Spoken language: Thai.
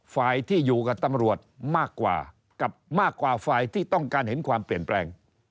ฝ่ายที่อยู่กับตำรวจมากกว่ากับมากกว่าฝ่ายที่ต้องการเห็นความเปลี่ยนแปลง